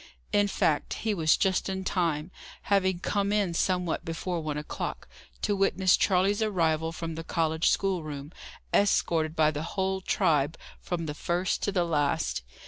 In fact, he was just in time, having come in somewhat before one o'clock, to witness Charley's arrival from the college schoolroom, escorted by the whole tribe, from the first to the last.